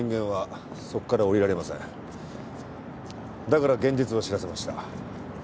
だから現実を知らせました。